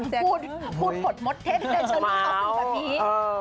พูดผดมดเทศแต่ฉันไม่เผาสุดแบบนี้